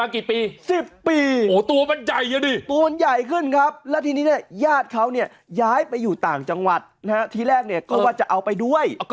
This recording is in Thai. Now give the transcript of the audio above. ก็ว่าจะเอาไปด้วย